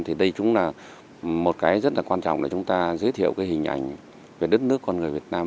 thì đây chính là một cái rất là quan trọng để chúng ta giới thiệu cái hình ảnh về đất nước con người việt nam